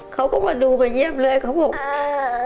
เขาก็มาดูมาเยี่ยมเลยขอบคุณค่ะ